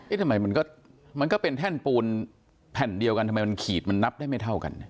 ทำไมมันก็เป็นแท่นปูนแผ่นเดียวกันทำไมมันขีดมันนับได้ไม่เท่ากัน